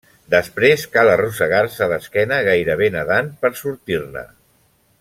Després cal arrossegar-se d'esquena gairebé nedant per sortir-ne.